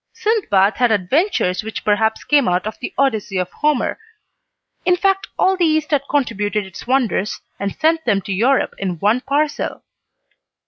Sindbad had adventures which perhaps came out of the Odyssey of Homer; in fact, all the East had contributed its wonders, and sent them to Europe in one parcel.